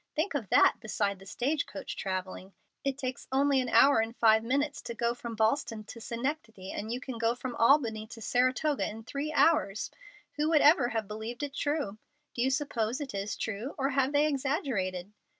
Think of that beside the stage coach travelling! It takes only an hour and five minutes to go from Ballston to Schenectady, and you can go from Albany to Saratoga in three hours. Who would ever have believed it true? Do you suppose it is true, or have they exaggerated?"